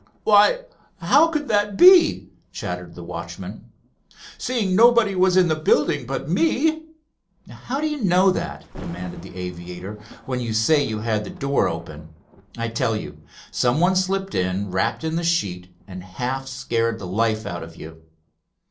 "Why, how could that be," chattered the watchman, "seeing nobody was in the building but me?" "How do you know that?" demanded the aviator; "when you say you had the door open? I tell you some one slipped in, wrapped in the sheet, and half scared the life out of you."